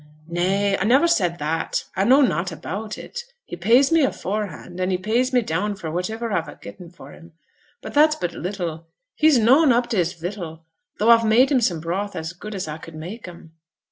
'Nay! A never said that. A know nought about it. He pays me aforehand; an' he pays me down for whativer a've getten for him; but that's but little; he's noane up t' his vittle, though a've made him some broth as good as a could make 'em.'